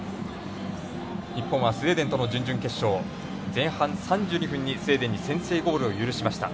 日本はスウェーデンとの準々決勝前半３２分にスウェーデンに先制ゴールを許しました。